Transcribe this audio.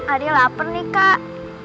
ari lapar nih kak